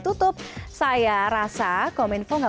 terima kasih rho